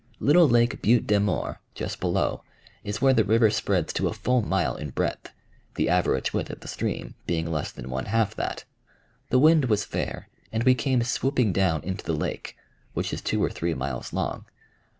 Little Lake Butte des Morts, just below, is where the river spreads to a full mile in breadth, the average width of the stream being less than one half that. The wind was fair, and we came swooping down into the lake, which is two or three miles long.